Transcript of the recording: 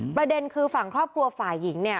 ประเด็นคือฝั่งครอบครัวฝ่ายหญิงเนี่ย